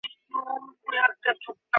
সবে তোমার চোখ অপারেশন হয়েছে।